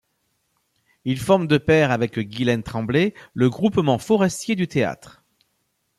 Il forme de pair avec Guylaine Tremblay le Groupement Forestier du théâtre.